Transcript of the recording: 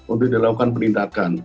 untuk dilakukan penindakan